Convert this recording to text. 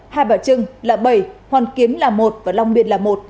hai bà trưng là bảy hoàn kiếm là một và long biên là một